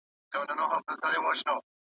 احمد شاه ابدالي څنګه د سفیرانو خبرې اورېدې؟